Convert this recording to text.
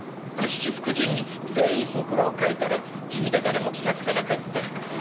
七福神に全員ほくろを描いたら地味で誰も気が付かなかった。